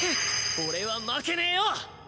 俺は負けねえよ！